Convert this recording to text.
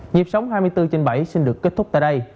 nhịp sống hai mươi bốn trên bảy xin được kết thúc tại đây